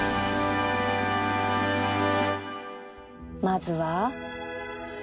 まずは